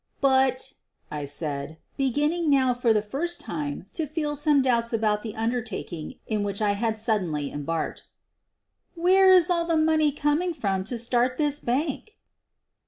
"But," I said, beginning now for the first time to feel some doubts about the undertaking in which I had so suddenly embarked, "where is all the money coming from to start this bank?"